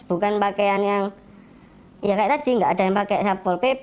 bukan pakaian yang ya kayak tadi gak ada yang pake sapol pp